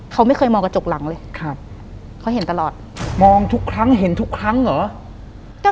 เขาไม่เคยมองกระจกหลังเลยครับเขาเห็นตลอดมองทุกครั้งเห็นทุกครั้งเหรอ